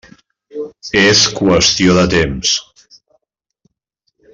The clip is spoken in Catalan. És qüestió de temps.